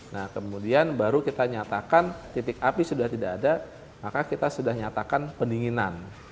nah kemudian baru kita nyatakan titik api sudah tidak ada maka kita sudah nyatakan pendinginan